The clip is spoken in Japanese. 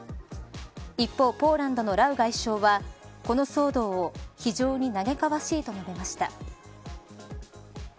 一方、ポーランドのラウ外相はこの騒動を非常に嘆かわしいと述べました。